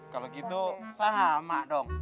kalau gitu sama dong